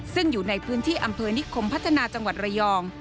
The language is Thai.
ซึ่งอยู่ในพื้นที่อำเภอนิคมพัฒนาจังหวัดระยอง